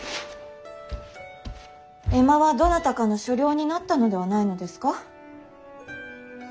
江間はどなたかの所領になったのではないのですか。